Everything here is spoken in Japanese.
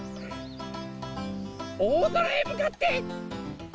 おおぞらへむかってゴー！